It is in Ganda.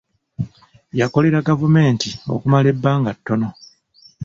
Yakolera gavumenti okumala ebbanga ttono.